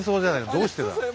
どうしてだ。